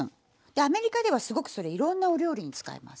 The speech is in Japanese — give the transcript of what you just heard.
アメリカではすごくそれいろんなお料理に使います。